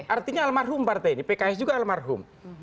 artinya almarhum partai ini pks juga almarhum